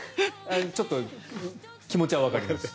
ちょっと気持ちはわかります。